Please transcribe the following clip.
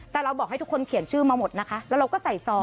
แต่เราบอกให้ทุกคนเขียนชื่อมาหมดนะคะแล้วเราก็ใส่ซอง